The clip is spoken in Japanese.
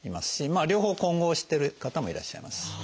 あ両方混合してる方もいらっしゃいます。